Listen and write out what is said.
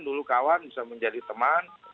dulu kawan bisa menjadi teman